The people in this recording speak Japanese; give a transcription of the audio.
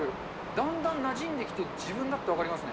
だんだんなじんできて、自分だって分かりますね。